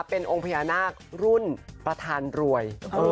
เป็นองค์พญานาครุ่นประธานรวย